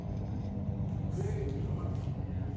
これいるかな？